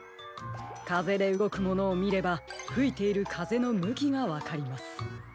かぜでうごくものをみればふいているかぜのむきがわかります。